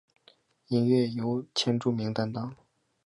音乐由千住明担当。